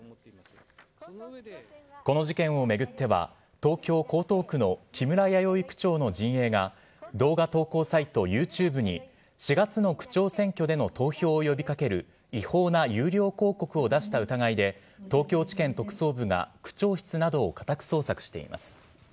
この事件を巡っては、東京・江東区の木村弥生区長の陣営が、動画投稿サイト、ユーチューブに４月の区長選挙での投票を呼びかける違法な有料広告を出した疑いで、東京地検特捜部が区長室などを家宅捜索しています。